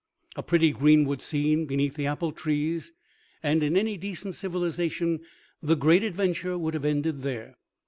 A pretty greenwood scene beneath the apple trees, and in any decent civilization the great adventure would have ended there.